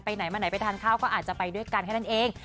ไหนมาไหนไปทานข้าวก็อาจจะไปด้วยกันแค่นั้นเอง